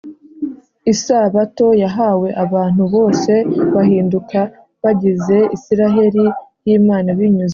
isabato yahawe abantu bose bahinduka abagize isiraheli y’imana binyuze muri kristo